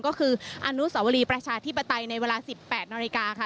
ก็คืออนุสวรีประชาธิปไตยในเวลา๑๘นาฬิกาค่ะ